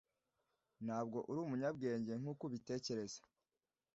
Ntabwo uri umunyabwenge nkuko ubitekereza